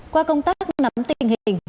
qua công tác nắm tình hình